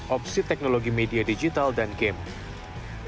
opsi teknologi media digital dan game